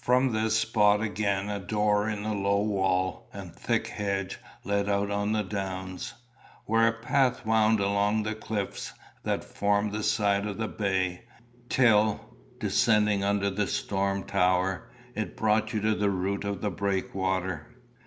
From this spot again a door in the low wall and thick hedge led out on the downs, where a path wound along the cliffs that formed the side of the bay, till, descending under the storm tower, it brought you to the root of the breakwater.